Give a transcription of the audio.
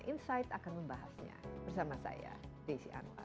insight akan membahasnya bersama saya desi anwar